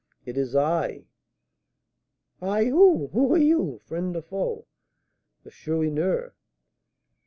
"It is I." "I? Who? Who are you, friend or foe?" "The Chourineur."